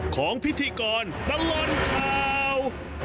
ของพิธีกรบรรลอนคาว